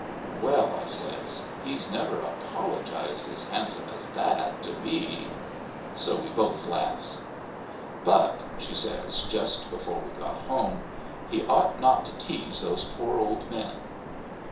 " Well," I says, " he's never apologized as hand some as that to me." So we both laughs. " But," she says just before we got home, " he ought not to tease those poor old men."